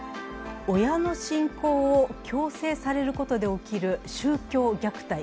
親の信仰を強制されることで起きる宗教虐待。